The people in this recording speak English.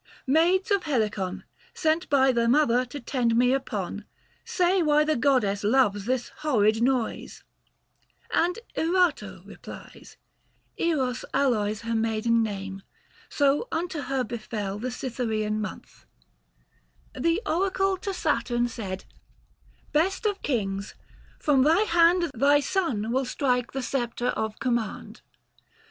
" Maids of Helicon, Sent by the mother to tend me upon, 215 Say why the goddess loves this horrid noise ?" And Erato replied (Eros alloys Her maiden name, so unto her befell The Cythereian month) "The Oracle Book IV. THE FASTI. 109 To Saturn said —' Best of kings, from thy hand 220 Thy son will strike the sceptre of command.'